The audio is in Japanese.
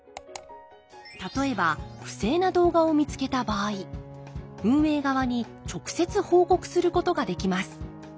例えば不正な動画を見つけた場合運営側に直接報告することができます。